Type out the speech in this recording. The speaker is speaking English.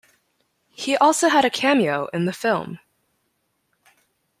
He also had a cameo in the film.